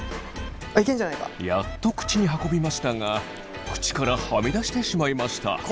やっと口に運びましたが口からはみ出してしまいました。